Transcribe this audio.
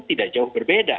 tidak jauh berbeda